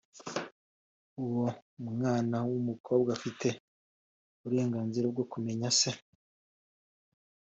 Uwo mwana w’umukobwa afite uburenganzira bwo kumenya se